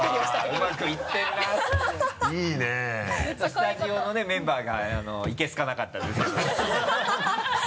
スタジオのねメンバーがいけ好かなかったですけど